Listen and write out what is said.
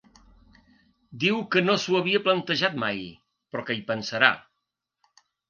Diu que no s'ho havia plantejat mai, però que hi pensarà.